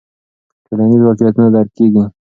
ټولنیز واقعیتونه درک کیږي.